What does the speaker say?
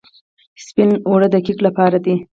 سپین اوړه د کیک لپاره دي.